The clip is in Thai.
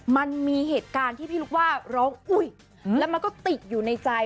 มันมีเหตุการณ์ที่พี่ลุกว่าร้องอุ้ยแล้วมันก็ติดอยู่ในใจ